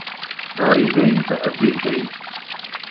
ساری نئیں تاں ادھی سہی